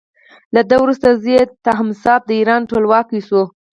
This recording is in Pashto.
له ده وروسته زوی یې تهماسب د ایران ټولواک شو.